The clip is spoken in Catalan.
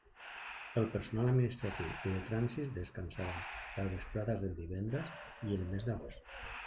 El personal administratiu i de trànsit descansarà les vesprades dels divendres i el mes d'agost.